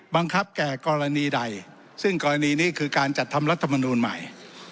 แก่กรณีใดซึ่งกรณีนี้คือการจัดทำรัฐมนูลใหม่